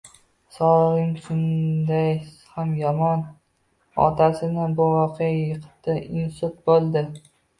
Sog`lig`i shunday ham yomon otasini bu voqea yiqitdi insult bo`ldi